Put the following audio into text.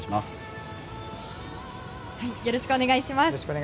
よろしくお願いします。